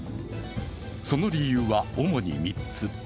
その理由は主に３つ。